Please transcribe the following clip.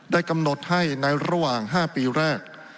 กำหนดให้ในระหว่าง๕ปีแรก